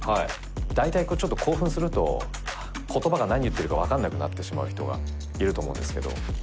大体こうちょっと興奮すると言葉が何言ってるかわからなくなってしまう人がいると思うんですけど。